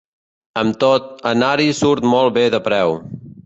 Amb tot, anar-hi surt molt bé de preu.